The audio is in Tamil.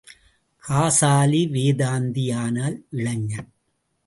காசாலி, வேதாந்தி ஆனால் இளைஞன்.